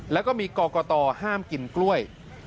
แล้วก็มีกรกตห้ามกินกล้วย